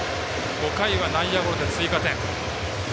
５回は内野ゴロで追加点。